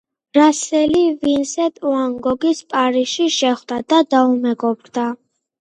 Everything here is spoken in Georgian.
რასელი ვინსენტ ვან გოგს პარიზში შეხვდა და დაუმეგობრდა.